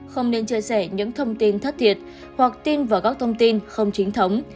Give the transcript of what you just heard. không nên chia sẻ những thông tin thất thiệt hoặc tin vào các thông tin không chính thống